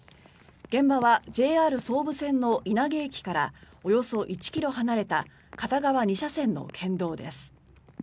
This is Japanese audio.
現場はＪＲ総武線の稲毛駅からおよそ１ｋｍ離れた片側２車線の県道です。